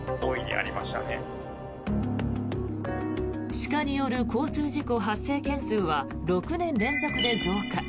鹿による交通事故発生件数は６年連続で増加。